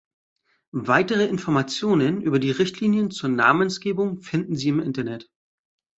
Weitere Informationen über die Richtlinien zur Namensgebung finden Sie im Internet.